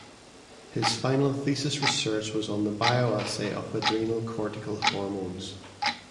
His final thesis research was on the bioassay of adrenal cortical hormones.